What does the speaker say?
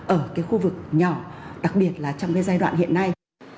ở cái khu vực nhỏ đặc biệt là trong cái giai đoạn hiện nay